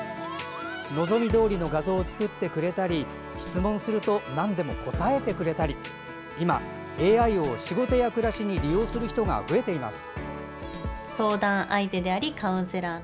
望みどおりの画像を作ってくれたり質問するとなんでも答えてくれたり今、ＡＩを仕事や暮らしに利用する人が増えています。